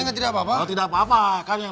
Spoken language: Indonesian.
kan tidak apa apa tidak apa apa kan yang